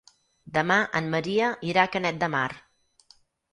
Demà en Maria irà a Canet de Mar.